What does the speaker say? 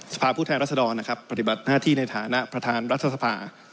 ผู้แทนรัศดรนะครับปฏิบัติหน้าที่ในฐานะประธานรัฐสภา